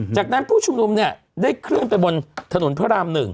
จากนั้นผู้ชุมนุมเนี่ยได้เคลื่อนไปบนถนนพระราม๑